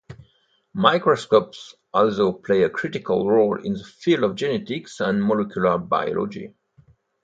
Microscopes also play a critical role in the field of genetics and molecular biology.